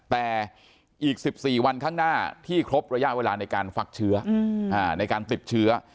แต่อีก๑๔วันข้างหน้าที่ครบระยะเวลาในการฟักเชื้อในการติดเชื้อ